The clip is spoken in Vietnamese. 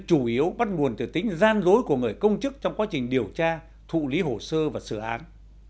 chủ yếu bắt nguồn từ tính gian dối của người công chức trong quá trình điều tra thụ lý hồ sơ và xử án